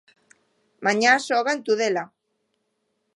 Mañá xoga en Tudela.